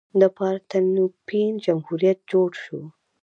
د پارتنوپین جمهوریت جوړ شو.